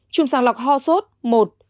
chùm sàng lọc ho sốt một